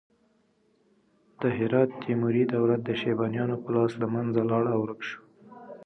د هرات تیموري دولت د شیبانیانو په لاس له منځه لاړ او ورک شو.